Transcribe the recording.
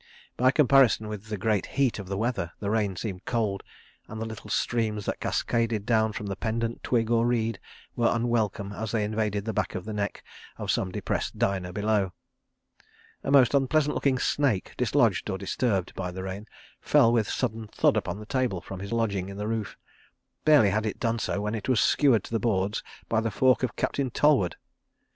By comparison with the great heat of the weather, the rain seemed cold, and the little streams that cascaded down from pendent twig or reed were unwelcome as they invaded the back of the neck of some depressed diner below. A most unpleasant looking snake, dislodged or disturbed by the rain, fell with sudden thud upon the table from his lodging in the roof. Barely had it done so when it was skewered to the boards by the fork of Captain Tollward.